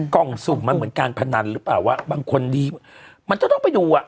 กล่องสุ่มมันเหมือนการพนันหรือเปล่าว่าบางคนดีมันก็ต้องไปดูอ่ะ